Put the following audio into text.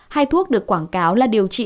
hai thuốc được quảng cáo là điều trị